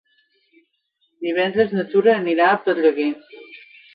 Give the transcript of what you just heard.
Divendres na Tura anirà a Pedreguer.